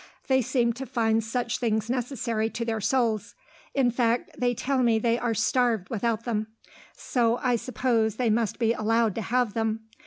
"They seem to find such things necessary to their souls; in fact, they tell me they are starved without them; so I suppose they must be allowed to have them.